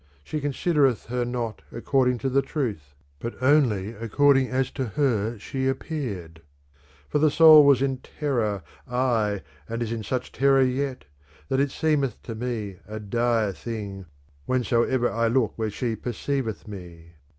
She considereth her not according to the truth, but only according as to her she appeared ; for the soul was in terror, aye and is in such terror yet, that it seemeth to me a dire thing whensoever I look where she perceiveth me.